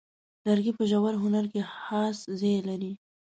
لرګی په ژور هنر کې خاص ځای لري.